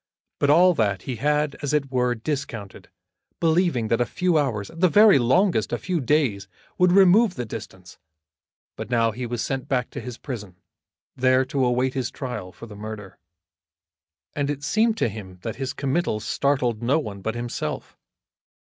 But all that he had, as it were, discounted, believing that a few hours, at the very longest a few days, would remove the distance; but now he was sent back to his prison, there to await his trial for the murder. And it seemed to him that his committal startled no one but himself.